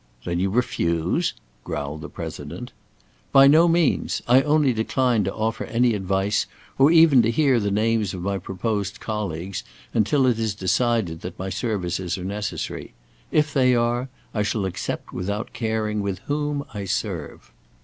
"Then you refuse?" growled the President. "By no means. I only decline to offer any advice or even to hear the names of my proposed colleagues until it is decided that my services are necessary. If they are, I shall accept without caring with whom I serve."